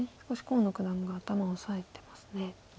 少し河野九段が頭を押さえてますね。